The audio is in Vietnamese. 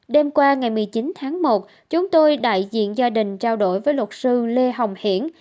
đêm qua ngày một mươi chín tháng một chúng tôi đại diện gia đình trao đổi với luật sư lê hồng hiển